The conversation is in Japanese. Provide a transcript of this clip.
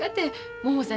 ももさん。